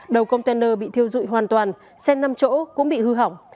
đầu container bị thiêu dụi hoàn toàn xe năm chỗ cũng bị hư hỏng